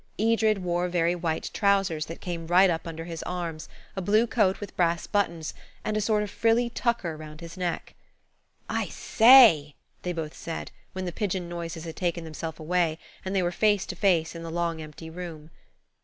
Edred wore very white trousers that came right up under his arms, a blue coat with brass buttons, and a sort of frilly tucker round his neck. "I say!" they both said, when the pigeon noises had taken themselves away, and they were face to face in the long, empty room.